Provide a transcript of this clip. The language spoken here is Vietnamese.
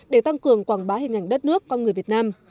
để tăng cường quảng bá hình ảnh đất nước con người việt nam